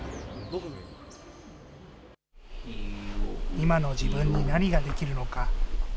今の自分に何ができるのか。